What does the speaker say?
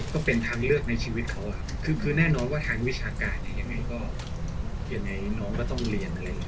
ก็เป็นทางเลือกในชีวิตเขาคือแน่นอนว่าทางวิชาการเนี่ยยังไงก็ยังไงน้องก็ต้องเรียนอะไรอย่างนี้